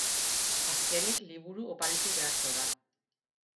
Azkenik, liburu oparitu beharko da.